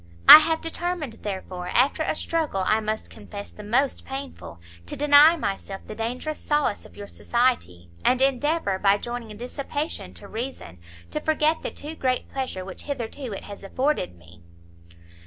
I have determined, therefore, after a struggle I must confess the most painful, to deny myself the dangerous solace of your society, and endeavour, by joining dissipation to reason, to forget the too great pleasure which hitherto it has afforded me."